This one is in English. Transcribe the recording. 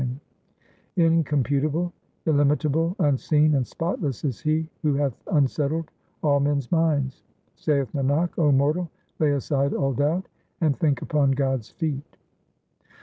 398 THE SIKH RELIGION Incomputable, illimitable, unseen, and spotless is He who hath unsettled all men's minds. Saith Nanak, 0 mortal, lay aside all doubt, and think upon God's feet.